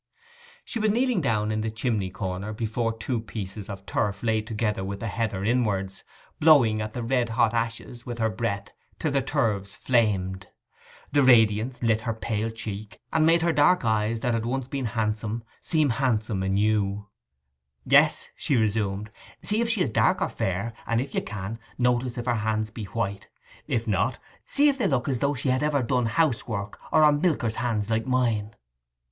She was kneeling down in the chimney corner, before two pieces of turf laid together with the heather inwards, blowing at the red hot ashes with her breath till the turves flamed. The radiance lit her pale cheek, and made her dark eyes, that had once been handsome, seem handsome anew. 'Yes,' she resumed, 'see if she is dark or fair, and if you can, notice if her hands be white; if not, see if they look as though she had ever done housework, or are milker's hands like mine.